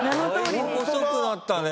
だいぶ細くなったね。